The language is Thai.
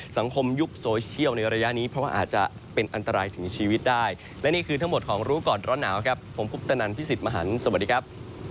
สวัสดีครับ